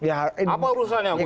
apa urusan yang harus diundang